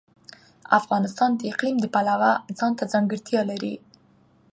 افغانستان د اقلیم د پلوه ځانته ځانګړتیا لري.